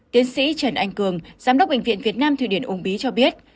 tiến sĩ trần anh cường giám đốc bệnh viện việt nam thụy điển ung bí cho biết